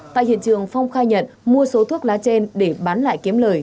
tại hiện trường phong khai nhận mua số thuốc lá trên để bán lại kiếm lời